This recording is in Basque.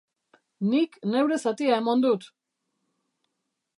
Nik neure zatia emon dut!